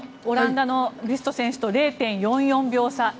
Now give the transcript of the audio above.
オランダのビュスト選手と０．４４秒差。